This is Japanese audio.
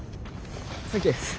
サンキューっす。